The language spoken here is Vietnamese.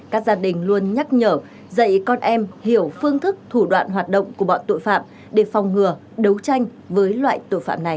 các gia đình luôn nhắc nhở dạy con em hiểu phương thức thủ đoạn hoạt động của bọn tội phạm để phòng ngừa đấu tranh với loại tội phạm này